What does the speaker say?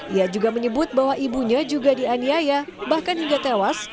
ia juga menyebut bahwa ibunya juga dianiaya bahkan hingga tewas